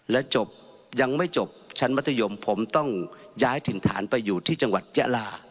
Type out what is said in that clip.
และจบยังไม่จบชั้นมัธยมผมต้องย้ายถิ่นฐานไปอยู่ที่จังหวัดยะลา